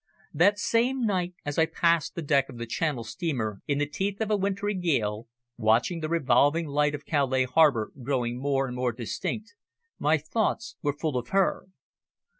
That same night, as I paced the deck of the Channel steamer in the teeth of a wintry gale, watching the revolving light of Calais harbour growing more and more distinct, my thoughts were full of her.